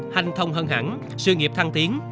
hành thông hân hẳn sự nghiệp thăng tiến